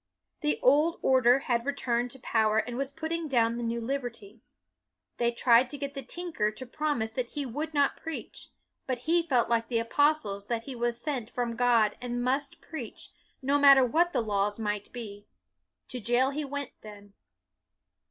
The old order had re turned to power, and was putting down the new liberty. They tried to get the tinker to promise that he would not preach; but he felt like the apostles that he was sent from God and must preach, no matter BUNYAN 267 what the laws might be. To jail he went, then.